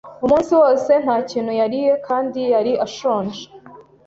Umunsi wose nta kintu yariye kandi yari ashonje.